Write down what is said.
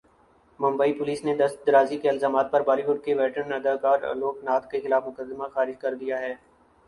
Mumbai police نے درست درازی کے الزامات پر بالی وڈ کے ویٹرن اداکار الوک ناتھ کے خلاف مقدمہ خارج کردیا ہے